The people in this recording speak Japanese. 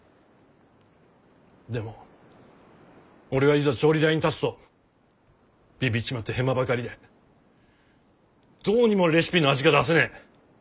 でも俺はいざ調理台に立つとビビっちまってヘマばかりでどうにもレシピの味が出せねえ。